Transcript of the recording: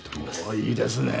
おっいいですね。